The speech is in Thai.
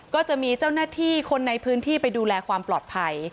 ก็จะมีเจ้าหน้าที่คนในพื้นที่ไปดูแลความปลอดภัย